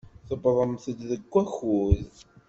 Tewwḍemt-d deg wakud.